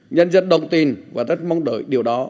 nhân dân đồng tin và rất mong đợi điều đó